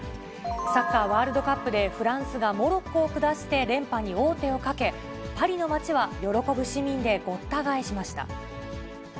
サッカーワールドカップで、フランスがモロッコを下して、連覇に王手をかけ、パリの街は喜ぶ市民でごった返しました。